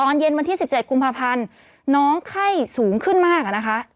เย็นวันที่๑๗กุมภาพันธ์น้องไข้สูงขึ้นมากอะนะคะ